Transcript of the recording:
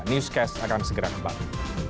newscast akan segera kembali